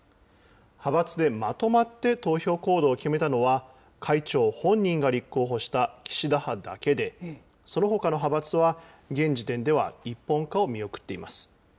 派閥でまとまって投票行動を決めたのは、会長本人が立候補した岸田派だけで、そのほかの派閥は、現時点では、一本化を見送っています。